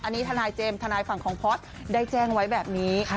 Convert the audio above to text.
อันนี้ทนายเจมส์ทนายฝั่งของพอร์ตได้แจ้งไว้แบบนี้